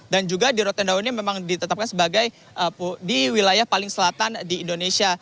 dan juga di rote ndawo ini memang ditetapkan sebagai di wilayah paling selatan di indonesia